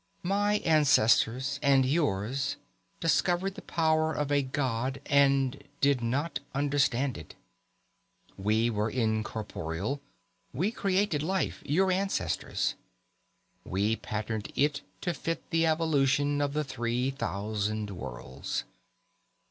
"My ancestors and yours discovered the power of a god and did not understand it. We were incorporeal. We created life your ancestors. We patterned it to fit the evolution of the three thousand worlds.